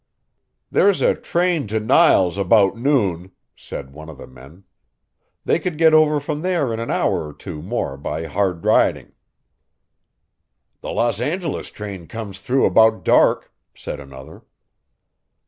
"There's a train to Niles about noon," said one of the men. "They could get over from there in an hour or two more by hard riding." "The Los Angeles train comes through about dark," said another.